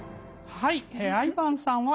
はい。